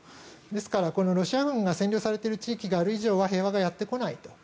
ですからロシア軍に占領されている地域がある以上は平和がやってこないと。